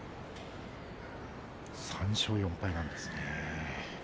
３勝４敗なんですね。